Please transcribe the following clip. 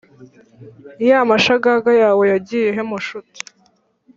Yamashagaga yawe yagiye hehe mushuti